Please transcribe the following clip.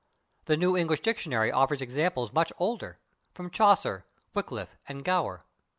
The New English Dictionary offers examples much older from Chaucer, Wyclif and Gower.